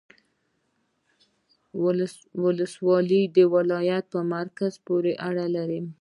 ولسوالۍ د ولایت په مرکز پوري اړه لري